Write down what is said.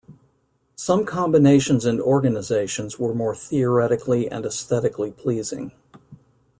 Some combinations and organizations were more theoretically and aesthetically pleasing.